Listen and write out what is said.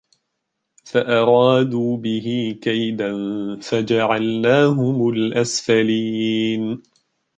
فأرادوا به كيدا فجعلناهم الأسفلين